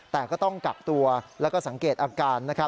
แต่ก็ต้องกักตัวแล้วก็สังเกตอาการ